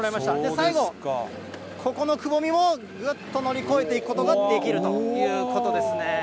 最後、ここのくぼみもぐっと乗り越えていくことができるということですね。